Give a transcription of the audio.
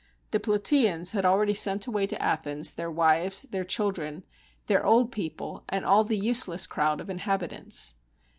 The Plataeans had already sent away to Athens their wives, their children, their old people, and all the useless crowd of inhabitants.